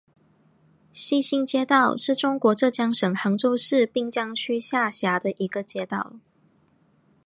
西兴街道是中国浙江省杭州市滨江区下辖的一个街道。